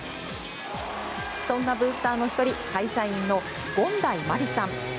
そんなブースターの１人会社員の権代真里さん。